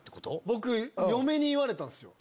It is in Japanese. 僕嫁に言われたんですよ。